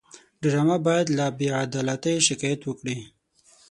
ډرامه باید له بېعدالتۍ شکایت وکړي